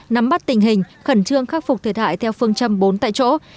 nắm bắt tình hình khẩn trương khắc phục thiệt hại theo phương châm bốn tại chỗ